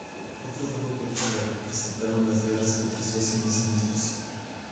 Otro duro golpe lo representaron las guerras contra Suecia ese mismo siglo.